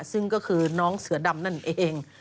ซึ่งก็คือน้องเสือดำนั่นเอง